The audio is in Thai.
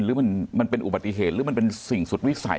หรือมันเป็นอุบัติเหตุหรือมันเป็นสิ่งสุดวิสัย